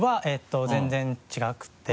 全然違って。